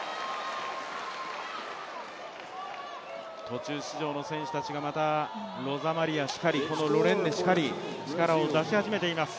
途中出場の選手たちが、ロザマリアしかり、このロレンネしかり力を出し始めています。